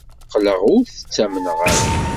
Qqleɣ ur t-ttamneɣ ara.